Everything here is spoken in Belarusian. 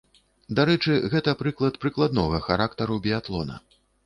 Дарэчы, гэта прыклад прыкладнога характару біятлона.